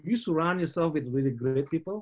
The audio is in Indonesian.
kalau kamu mengelilingi orang orang yang bagus